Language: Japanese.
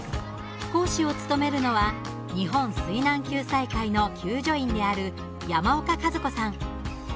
講師を務めるのは日本水難救済会の救助員である山岡和子さん。